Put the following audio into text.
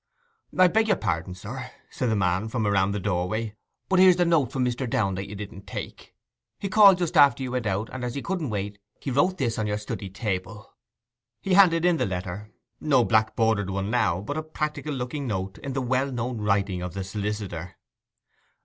'I beg your pardon, sir,' the man said from round the doorway; 'but here's the note from Mr. Downe that you didn't take. He called just after you went out, and as he couldn't wait, he wrote this on your study table.' He handed in the letter—no black bordered one now, but a practical looking note in the well known writing of the solicitor.